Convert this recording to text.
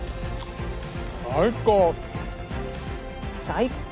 最高！